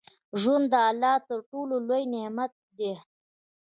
ژوند د الله تر ټولو لوى نعمت ديه.